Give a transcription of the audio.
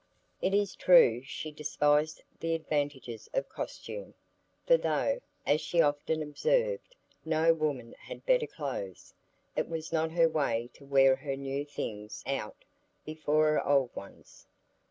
It is true she despised the advantages of costume, for though, as she often observed, no woman had better clothes, it was not her way to wear her new things out before her old ones.